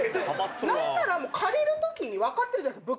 何なら借りるときに分かってるじゃないですか。